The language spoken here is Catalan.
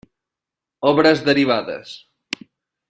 Obres derivades.